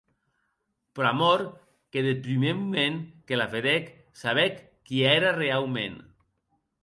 Pr’amor que deth prumèr moment que la vedec, sabec qui ère reaument.